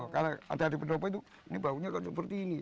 karena ada pendopo itu ini baunya kok seperti ini